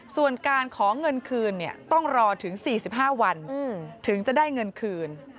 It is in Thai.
ส่วนการขอเงินคืนต้องรอถึง๔๕วันถึงจะได้เงินคืน